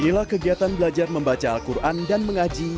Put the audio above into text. inilah kegiatan belajar membaca al quran dan mengaji